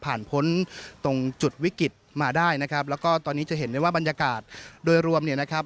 พ้นตรงจุดวิกฤตมาได้นะครับแล้วก็ตอนนี้จะเห็นได้ว่าบรรยากาศโดยรวมเนี่ยนะครับ